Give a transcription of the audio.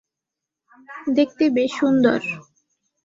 দেখতে বেশ সুন্দর।